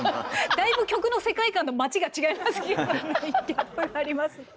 だいぶ曲の世界観と街が違いますけど。